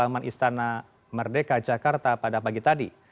taman istana merdeka jakarta pada pagi tadi